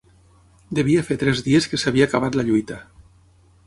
Devia fer tres dies que s'havia acabat la lluita